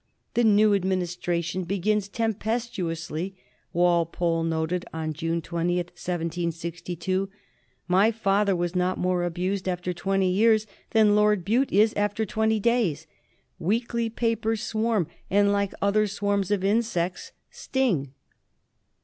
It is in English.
"The new Administration begins tempestuously," Walpole wrote on June 20, 1762. "My father was not more abused after twenty years than Lord Bute is after twenty days. Weekly papers swarm, and, like other swarms of insects, sting."